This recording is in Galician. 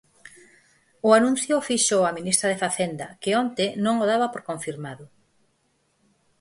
O anuncio fíxoo a ministra de Facenda, que onte non o daba por confirmado.